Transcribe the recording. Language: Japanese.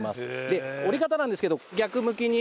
で降り方なんですけど逆向きに。